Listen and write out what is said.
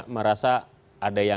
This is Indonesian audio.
merasa ada yang